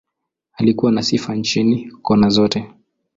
Alikuwa na sifa nchini, kona zote.